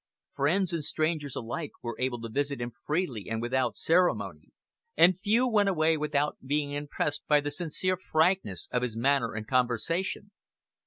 Friends and strangers alike were able to visit him freely and without ceremony, and few went away without being impressed by the sincere frankness of his manner and conversation.